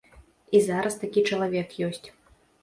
І зараз такі чалавек ёсць.